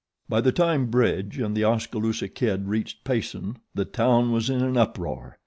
By the time Bridge and The Oskaloosa Kid reached Payson the town was in an uproar.